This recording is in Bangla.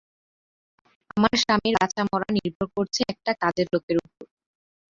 আমার স্বামীর বাঁচা-মরা নির্ভর করছে একটা, কাজের লোকের উপর!